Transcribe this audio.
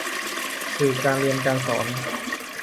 สื่อการเรียนการสอน